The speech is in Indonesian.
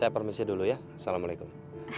permisi dulu ya assalamualaikum